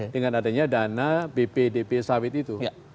dengan adanya dana bpdp sawit itu